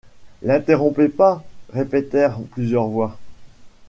N’interrompez pas! répétèrent plusieurs voix.